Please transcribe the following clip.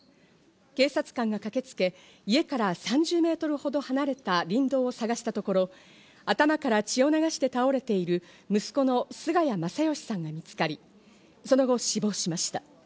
警察官が駆けつけ、家から３０メートルほど離れた林道を探したところ、頭から血を流して倒れている息子の菅谷昌良さんが見つかり、その後死亡しました。